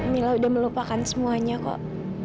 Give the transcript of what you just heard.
mila udah melupakan semuanya kok